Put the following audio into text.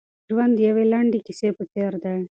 ژوند د یوې لنډې کیسې په څېر دی.